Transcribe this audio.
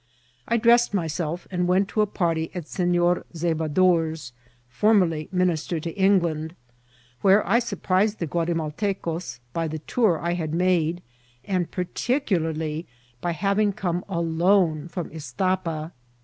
I dressed myself and went to a party at Senor Zeba dours, formerly minister to England, where I surprised the Guatimaltecos by the tour I had made, and partieu« larly by having come alone from Istapa.